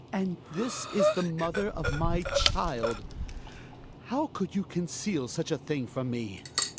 And this is the mother JH\;J^ of my child ! How could you conceal such a thing from me